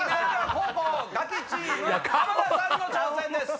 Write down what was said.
後攻ガキチーム浜田さんの挑戦です。